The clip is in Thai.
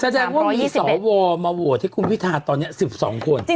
ท่าวงค์มีสอวอมาโหวดที่กุฟิธาตร์ตอนเนี้ย๑๒คน